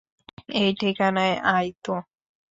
এই ঠিকানায় আই তো।